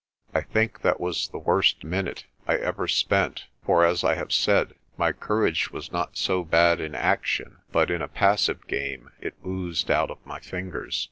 I think that was the worst minute I ever spent for, as I have said, my cour age was not so bad in action, but in a passive game it oozed out of my fingers.